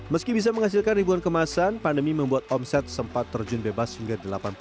meski bisa menghasilkan ribuan kemasan pandemi membuat omset sempat terjun bebas hingga delapan puluh